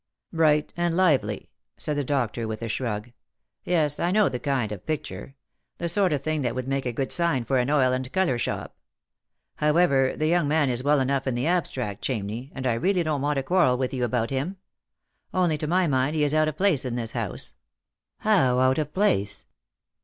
" Bright and lively !" said the doctor, with a shrug. " Yes, I know the kind of picture; the sort of thing that would make a good sign for an oil and colour shop. However, the young man is well enough in the abstract, Ohamney, and I really don't want to quarrel with you about him. Only, to my mind, he is out of place in this house." " How out of place